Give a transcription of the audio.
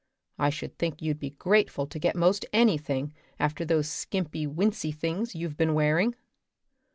I should think you'd be grateful to get most anything after those skimpy wincey things you've been wearing."